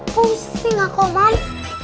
pusing aku mams